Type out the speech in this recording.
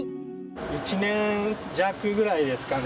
１年弱ぐらいですかね。